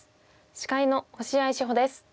司会の星合志保です。